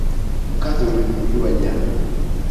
Mkate ulinunuliwa jana.